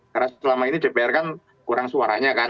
karena selama ini dpr kan kurang suaranya kan